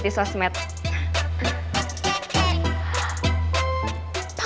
pangeran udah siapin kado buat aku